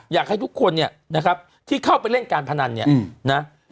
อยากให้ทุกคนที่เข้าไปเล่นการพนัน